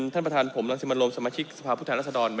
ท่านประธานขอลองทราบ๓๐วินาทีครับ